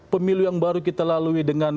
pemilu yang baru kita lalui dengan